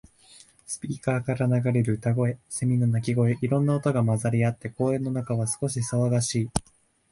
スピーカーから流れる歌声、セミの鳴き声。いろんな音が混ざり合って、公園の中は少し騒がしい。